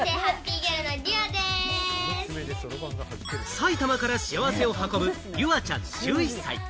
埼玉から幸せを運ぶ、りゅあちゃん、１１歳。